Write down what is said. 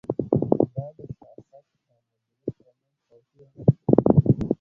دا د سیاست او مدیریت ترمنځ توپیر نشته.